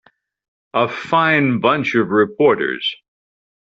A fine bunch of reporters.